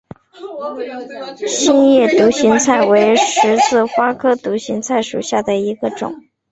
心叶独行菜为十字花科独行菜属下的一个种。